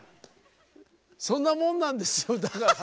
そんなもんなんですよだから。